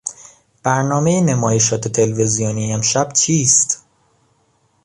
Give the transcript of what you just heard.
برنامهی نمایشات تلویزیونی امشب چیست؟